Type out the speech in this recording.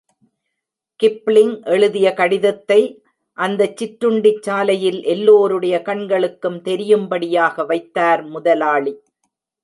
Kipling எழுதிய கடிதத்தை, அந்தச் சிற்றுண்டிச் சாலையில் எல்லோருடைய கண்களுக்கும் தெரியும்படியாக வைத்தார் முதலாளி.